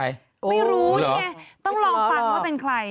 ไม่รู้นี่ไงต้องลองฟังว่าเป็นใคร